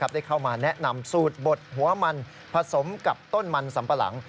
ได้เข้ามาแนะนำสูตรบดหัวมันผสมกับต้นมันสัมปะหลัง